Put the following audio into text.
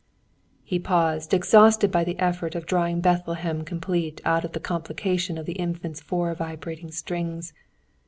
_" He paused, exhausted by the effort of drawing Bethlehem complete, out of the complication of the Infant's four vibrating strings.